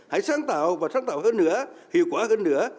hãy sáng tạo và sáng tạo hơn nữa hiệu quả hơn nữa